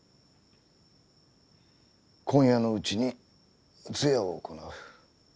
今夜のうちに通夜を行う。